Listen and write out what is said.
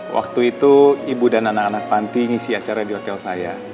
waktu itu ibu dan anak anak panti ngisi acara di hotel saya